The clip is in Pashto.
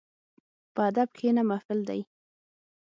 په ادب کښېنه، محفل دی.